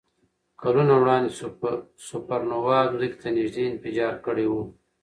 کلونه وړاندې سوپرنووا ځمکې ته نږدې انفجار کړی وي.